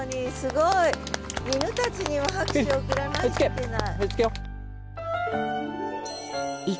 犬たちにも拍手を送らないといけない。